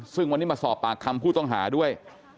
ซึ่งวันนี้มาสอบปากคำผู้ต้องหาด้วย